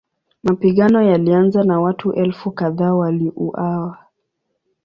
Mapigano yalianza na watu elfu kadhaa waliuawa.